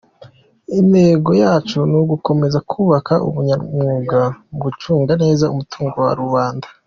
Intego yacu ni ugukomeza kubaka ubunyamwuga mu gucunga neza umutungo wa rubanda.